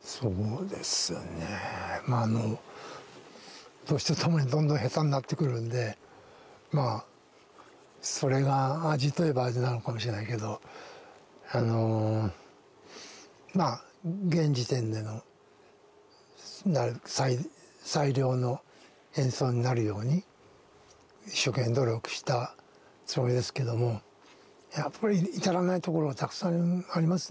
そうですねまああの年とともにどんどん下手になってくるんでまあそれが味といえば味なのかもしれないけどまあ現時点での最良の演奏になるように一生懸命努力したつもりですけどもやっぱり至らないところがたくさんありますね。